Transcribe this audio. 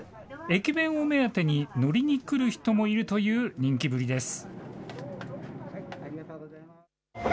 駅弁を目当てに乗りに来る人もいるという人気ぶりです。